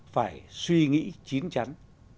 phải suy nghĩ chính chắn